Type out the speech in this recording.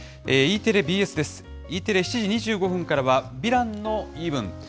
Ｅテレ７時２５分からは、ヴィランの言い分。